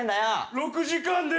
６時間です